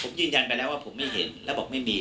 ผมยืนยันไปแล้วว่าผมไม่เห็นแล้วบอกไม่มี